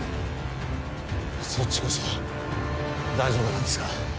そっちこそ大丈夫なんですか？